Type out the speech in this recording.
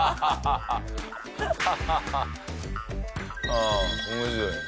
ああ面白いね。